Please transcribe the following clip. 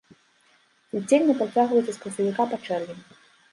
Цвіценне працягваецца з красавіка па чэрвень.